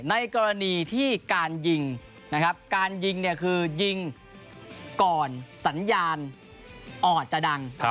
ในกรณีที่การยิงการยิงคือยิงก่อนสัญญาณออดจะดัง